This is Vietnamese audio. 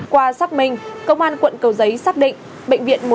qua xác minh công an quận cầu giấy xác định